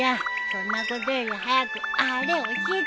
そんなことより早くあれ教えてよ。